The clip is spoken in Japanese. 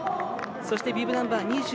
そしてビブナンバー